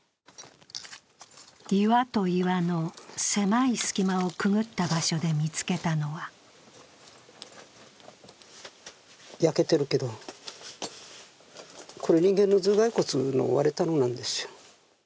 岩と岩の狭い隙間をくぐった場所で見つけたのは焼けているけど、これ人間の頭蓋骨の割れたのなんですよ。